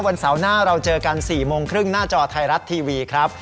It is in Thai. เสาร์หน้าเราเจอกัน๔โมงครึ่งหน้าจอไทยรัฐทีวีครับ